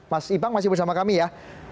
mas ipang masih bersama kami ya